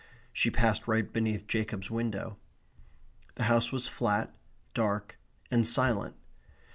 She passed right beneath Jacob's window. The house was flat, dark, and silent.